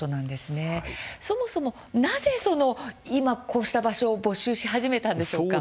そもそも、なぜその今こうした場所を募集し始めたんですか。